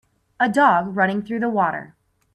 A dog running through the water.